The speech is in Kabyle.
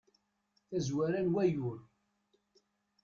tazwara n wayyur